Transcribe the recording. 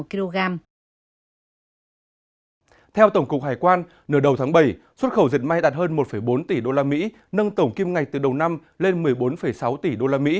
theo tổng cục hải quan nửa đầu tháng bảy xuất khẩu dệt may đạt hơn một bốn tỷ usd nâng tổng kim ngạch từ đầu năm lên một mươi bốn sáu tỷ usd